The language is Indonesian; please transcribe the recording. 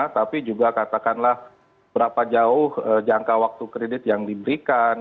tapi juga katakanlah berapa jauh jangka waktu kredit yang diberikan